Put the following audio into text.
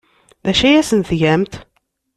D acu ay asen-tgamt?